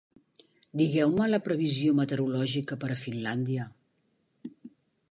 Digueu-me la previsió meteorològica per a Finlàndia